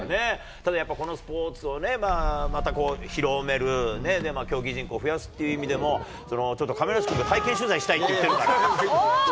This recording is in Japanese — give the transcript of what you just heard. ただやっぱりこのスポーツをまたこう広めるね、競技人口増やすっていう意味でも、ちょっと亀梨君が体験取材したいって言ってるから。